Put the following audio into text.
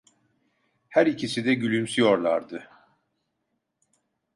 Her ikisi de gülümsüyorlardı.